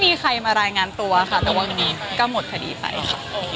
มีใครมารายงานตัวค่ะแต่ว่าวันนี้ก็หมดคดีไปค่ะ